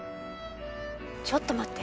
ちょっと待って。